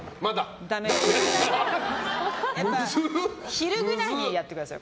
昼ぐらいにやってください。